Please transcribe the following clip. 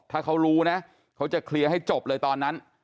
ถ้าเขารู้นะเขาจะเคลียร์ให้จบเลยตอนนั้น